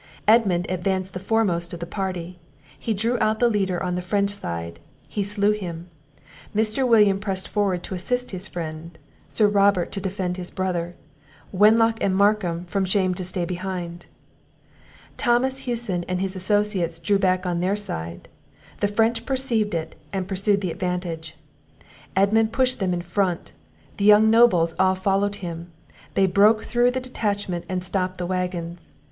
Edmund advanced the foremost of the party; he drew out the leader on the French side; he slew him. Mr. William pressed forward to assist his friend; Sir Robert, to defend his brother; Wenlock, and Markham, from shame to stay behind. Thomas Hewson and his associates drew back on their side; the French perceived it, and pursued the advantage. Edmund pushed them in front; the young nobles all followed him; they broke through the detachment, and stopped the waggons.